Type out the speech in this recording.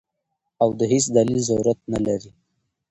او د هېڅ دليل ضرورت نۀ لري -